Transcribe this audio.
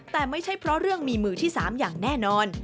แต่ไม่ใช่เพราะเรื่องมีมือที่๓อย่างแน่นอน